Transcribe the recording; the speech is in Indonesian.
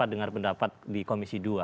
dengar pendapat di komisi dua